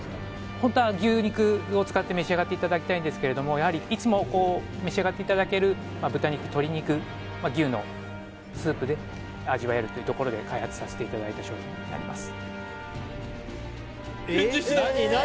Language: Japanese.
本当は牛肉を使って召し上がっていただきたいんですけれどもやはりいつも召し上がっていただける豚肉鶏肉牛のスープで味わえるというところで開発させていただいた商品になります